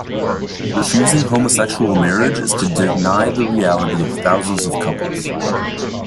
Refusing homosexual marriage is to deny the reality of thousands of couples.